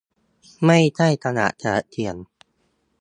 ไม่ใช่กระดาษสำหรับเขียน